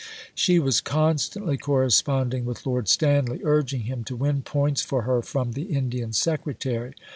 She was constantly corresponding with Lord Stanley, urging him to win points for her from the Indian Secretary.